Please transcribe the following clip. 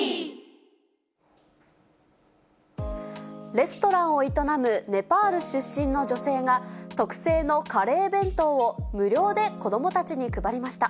レストランを営むネパール出身の女性が、特製のカレー弁当を無料で子どもたちに配りました。